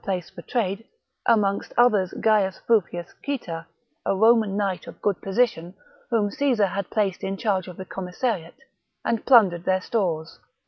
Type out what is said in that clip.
place for trade — amongst others Gaius Fufius Cita, a Roman knight of good position, whom Caesar had placed in charge of the commissariat — and plundered their stores.